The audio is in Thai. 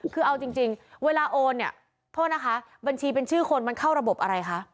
คือเอาจริงเวลาโอนเนี่ยโทษนะคะบัญชีเป็นชื่อคนมันเข้าระบบอะไรคะ